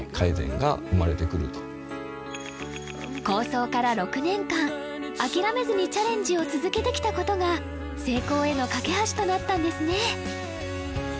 構想から６年間諦めずにチャレンジを続けてきたことが成功への架け橋となったんですね